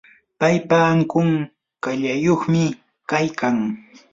paypa ankun kallpayuqmi kaykan.